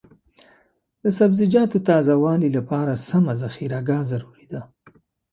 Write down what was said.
د سبزیجاتو تازه والي لپاره سمه ذخیره ګاه ضروري ده.